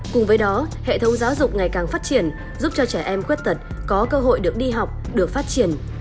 cùng với đó hệ thống giáo dục ngày càng phát triển giúp cho trẻ em khuyết tật có cơ hội được đi học được phát triển